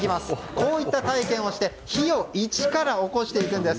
こういった体験をして火を一から起こしていくんです。